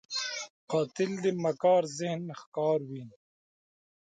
قاتل د مکار ذهن ښکار وي